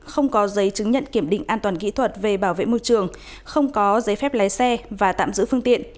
không có giấy chứng nhận kiểm định an toàn kỹ thuật về bảo vệ môi trường không có giấy phép lái xe và tạm giữ phương tiện